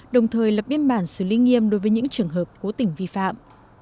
đồng thời lập biên bản xử lý nghiêm đối với những trường hợp cố tình vi phạm